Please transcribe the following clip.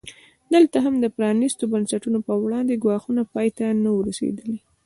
دلته هم د پرانیستو بنسټونو پر وړاندې ګواښونه پای ته نه وو رسېدلي.